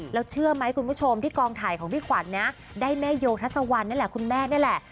แล้วเชื่อไหมคุณผู้ชมที่กองถ่ายของพี่ขวัญนะได้แม่โยทัศวรรณนั่นแหละคุณแม่นี่แหละ